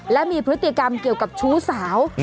และมีพฤติกรรมเกี่ยวกับชู้สาว